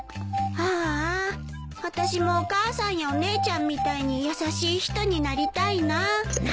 あたしもお母さんやお姉ちゃんみたいに優しい人になりたいな。